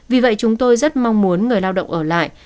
vì vậy chúng tôi rất mong muốn người lao động ở lại